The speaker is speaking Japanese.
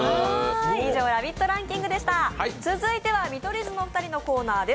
続いては、見取り図のお二人のコーナーです。